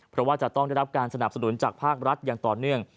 เพราะว่าจะต้องได้รับการสนับสนุนจากภาครัฐอย่างต่อเนื่อง